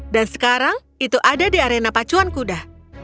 dan sekarang itu ada di arena pacuan kuda